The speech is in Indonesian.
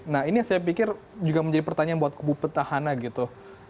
nah ini saya pikir juga menjadi pertanyaan buat bupet tahana gitu